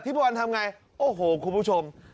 เออทิปวันทำอย่างไรโอ้โหคุณผู้ชม